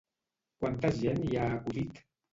Quanta gent hi ha acudit?